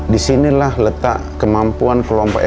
di sinilah letak kemampuan kelompok fhq